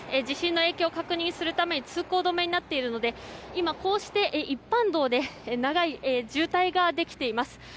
地震の影響を確認するため通行止めになっているのでこうして、一般道で長い渋滞ができています。